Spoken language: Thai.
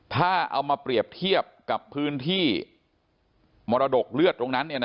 ถ้าเอามาเปรียบเทียบกับพื้นที่มรดกเลือดตรงนั้น